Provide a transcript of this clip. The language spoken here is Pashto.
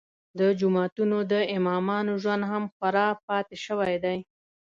د جوماتونو د امامانو ژوند هم خوار پاتې شوی دی.